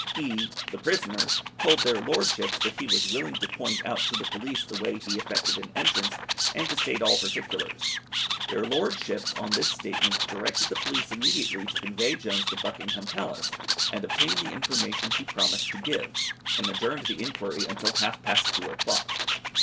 He (the prisoner) told their lordships that he was willing to point out to the police the way he effected an entrance, and to state all particulars. Their lordships, on this statement, directed the police immediately to convey Jones to Buckingham Palace, and obtain the information he promised to give, and adjourned the inquiry until half past two o'clock.